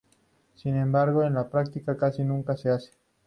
Sin embargo, en la práctica casi nunca se hace.